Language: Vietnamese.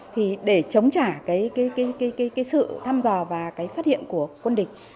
thì để chống trả cái sự thăm dò và cái phát hiện của quân địch